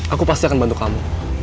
aku pasti akan bantu kamu